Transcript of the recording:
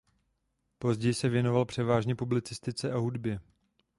Později se věnoval převážně publicistice a hudbě.